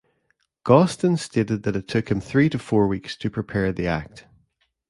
Gostin stated that it took him three to four weeks to prepare the act.